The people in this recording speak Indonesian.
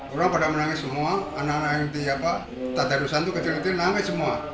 orang pada menangis semua anak anak yang tata rusa itu kecil kecil nangis semua